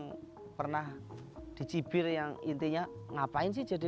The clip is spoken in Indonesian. sibel dulu saya pernah memang dicibil yang intinya ngapain si jadi